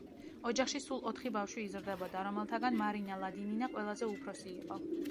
ოჯახში სულ ოთხი ბავშვი იზრდებოდა, რომელთაგან მარინა ლადინინა ყველაზე უფროსი იყო.